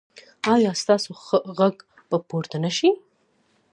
ایا ستاسو غږ به پورته نه شي؟